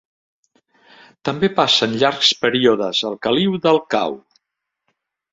També passen llargs períodes al caliu del cau.